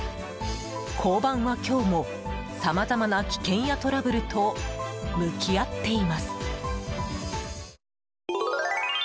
交番は今日も、さまざまな危険やトラブルと向き合っています。